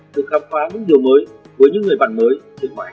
được khám phá những điều mới với những người bạn mới trên ngoài